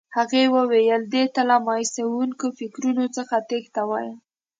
هغه وویل دې ته له مایوسوونکو فکرو څخه تېښته وایي.